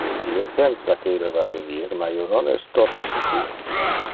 Io pensa que ille va venir, ma io non es toto secur.